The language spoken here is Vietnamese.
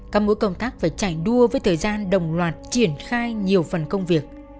các mũi công tác phải chạy đua với thời gian đồng loạt triển khai nhiều phần công việc